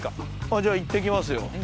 じゃ行ってきますよ。